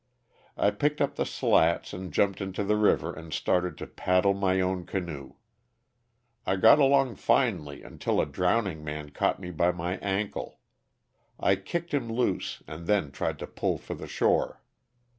I picked up the slats and jumped into the river and started to "paddle my own canoe.'' I got along finely until a drowning man caught me by my ankle. I kicked him loose and then tried to pull for the shore.